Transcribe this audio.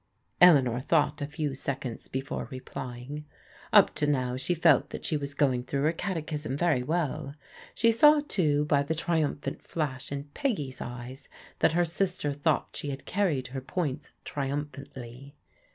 " Eleanor thought a few seconds before replying. Up to now, she felt that she was going through her catechism very well. She saw, too, by the triumphant flash in Peggy's eyes that her sister thought she had carried her points triumphantly.